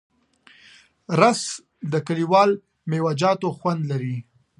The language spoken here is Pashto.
رس د کلیوالو میوهجاتو خوند لري